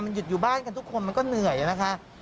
มันหยุดอยู่บ้านกันทุกคนมันก็เหนื่อยนะคะ